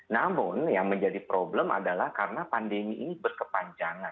namun yang menjadi problem adalah karena pandemi ini berkepanjangan